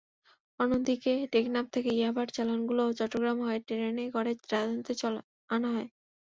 অন্যদিকে টেকনাফ থেকে ইয়াবার চালানগুলো চট্টগ্রাম হয়ে ট্রেনে করে রাজধানীতে আনা যায়।